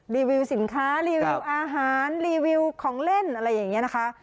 รีวิวสินค้ารีวิวอาหารรีวิวของเล่นอะไรอย่างนี้นะคะ